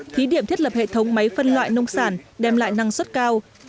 thí điểm thiết lập hệ thống máy phân loại nông sản đem lại năng suất cao